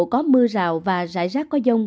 có mưa rào và rải rác có dông